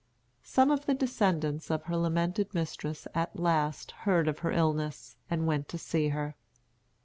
Some of the descendants of her lamented mistress at last heard of her illness and went to see her.